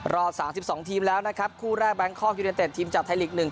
สามสิบสองทีมแล้วนะครับคู่แรกแบงคอกยูเนเต็ดทีมจากไทยลีกหนึ่ง